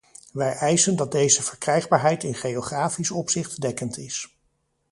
Wij eisen dat deze verkrijgbaarheid in geografisch opzicht dekkend is.